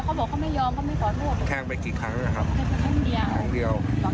แล้วไหนก็จะติดปุ๊บแล้วไง